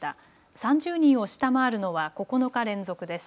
３０人を下回るのは９日連続です。